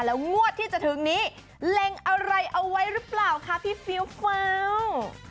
แล้วงวดที่จะถึงนี้เล็งอะไรเอาไว้หรือเปล่าคะพี่เฟี้ยวฟ้าว